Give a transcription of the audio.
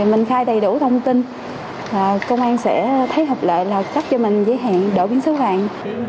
mình khai đầy đủ thông tin công an sẽ thấy hợp lợi là cắt cho mình giới hạn đổi biển số vàng